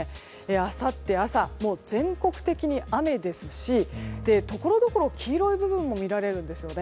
あさって朝、全国的に雨ですしところどころ、黄色い部分も見られるんですよね。